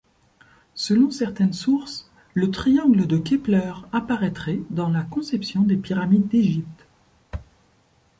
Selon certaines sources, le triangle de Kepler apparaîtrait dans la conception des pyramides d'Égypte.